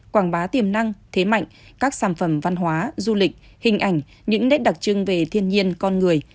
quảng bá tiềm năng thế mạnh các sản phẩm văn hóa du lịch hình ảnh những nét đặc trưng về thiên nhiên con người